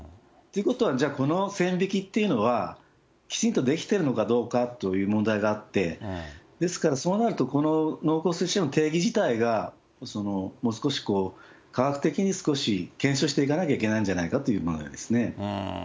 ということは、じゃあ、この線引きというのは、きちんとできてるのかどうかという問題があって、ですから、そうなるとこの濃厚接触者の定義自体が、もう少し、科学的に少し検証していかなきゃいけないんじゃないかという問題ですね。